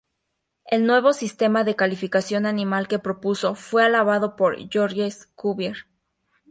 El nuevo sistema de clasificación animal que propuso fue alabado por Georges Cuvier.